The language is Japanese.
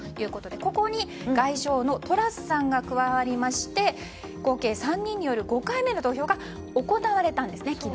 ここに、外相のトラスさんが加わって合計３人による５回目の投票が昨日、行われたんです。